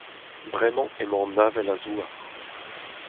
Bremañ emañ an avel a-zouar.